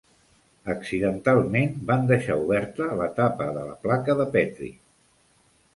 Accidentalment van deixar oberta la tapa de la placa de Petri.